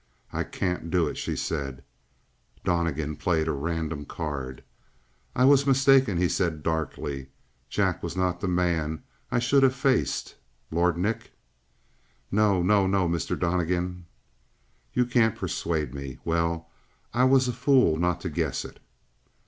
"I can't do it," she said. Donnegan played a random card. "I was mistaken," he said darkly. "Jack was not the man I should have faced. Lord Nick!" "No, no, no, Mr. Donnegan!" "You can't persuade me. Well, I was a fool not to guess it!"